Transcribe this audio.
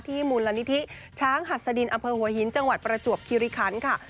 มูลนิธิช้างหัสดินอำเภอหัวหินจังหวัดประจวบคิริคันค่ะ